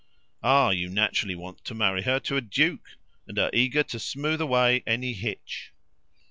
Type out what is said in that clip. "Ah you naturally want to marry her to a duke and are eager to smooth away any hitch."